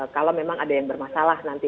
kalau memang ada yang bermasalah nanti